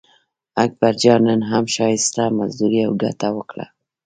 اکبرجان نن هم ښایسته مزدوري او ګټه وکړه.